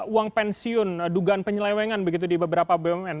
uang pensiun dugaan penyelewengan begitu di beberapa bumn